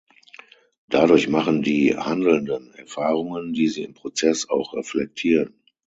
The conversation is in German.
Dadurch machen die Handelnden Erfahrungen, die sie im Prozess auch reflektieren.